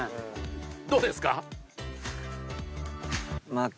どうですか？